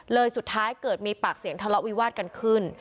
สุดท้ายเกิดมีปากเสียงทะเลาะวิวาดกันขึ้น